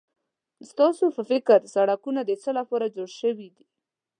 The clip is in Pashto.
ستاسو په فکر سړکونه د څه لپاره جوړ شوي دي؟